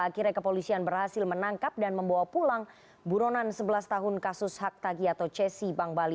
akhirnya kepolisian berhasil menangkap dan membawa pulang buronan sebelas tahun kasus hak tagi atau cesi bank bali